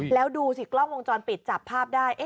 แล้วดูสิกล้องวงจรปิดจับภาพได้